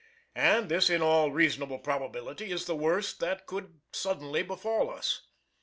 And this in all reasonable probability is the worst that could suddenly befall us.